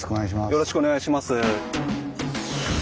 よろしくお願いします。